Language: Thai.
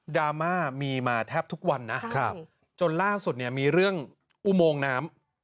ดราม่ามีมาแทบทุกวันนะจนล่าสุดมีเรื่องอุโมงน้ำ